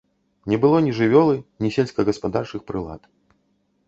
Не было ні жывёлы, ні сельскагаспадарчых прылад.